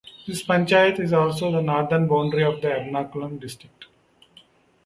This panchayat is also the northern boundary of Ernakulam district.